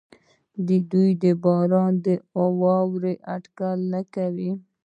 آیا دوی د باران او واورې اټکل نه کوي؟